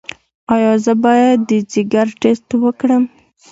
ایا زه باید د ځیګر ټسټ وکړم؟